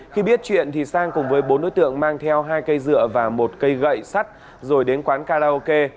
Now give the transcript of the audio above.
khi biết chuyện thì sang cùng với bốn đối tượng mang theo hai cây dựa và một cây gậy sắt rồi đến quán karaoke